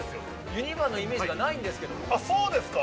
ユニバのイメージがないんでそうですか？